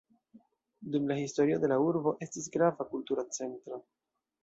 Dum la historio la urbo estis grava kultura centro.